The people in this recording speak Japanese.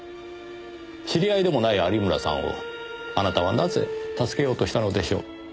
知り合いでもない有村さんをあなたはなぜ助けようとしたのでしょう？